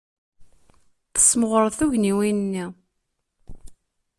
Tesmeɣreḍ tugniwin-nni.